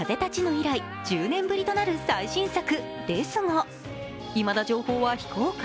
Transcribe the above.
以来１０年ぶりとなる最新作ですがいまだ情報は非公開。